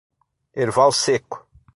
Erval Seco